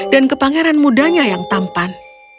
dan ke pangeran mudanya yang tampan